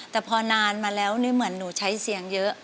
แต่พอนานมาแล้วนี่เหมือนหนูใช้เสียงเยอะ